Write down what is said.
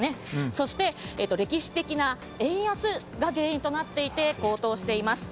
そして歴史的な円安が原因となっていて高騰しています。